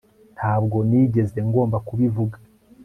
Ntabwo nigeze ngomba kubivuga